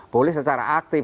boleh secara aktif